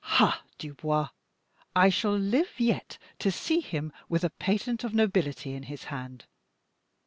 "Ha, Dubois, I shall live yet to see him with a patent of nobility in his hand.